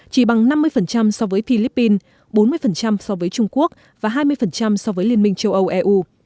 chỉ bằng năm mươi so với philippines bốn mươi so với trung quốc và hai mươi so với liên minh châu âu eu